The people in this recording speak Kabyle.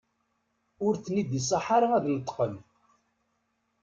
Ur ten-id-iṣaḥ ara ad d-neṭqen.